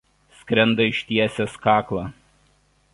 Skrenda ištiesęs kaklą.